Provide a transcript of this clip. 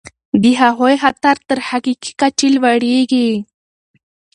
د هغوی خطر تر حقیقي کچې لوړیږي.